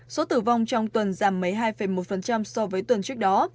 số tử vong trong tuần giảm mấy hai một so với tuần trước đó